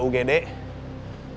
ada yang bawa saya ke ugd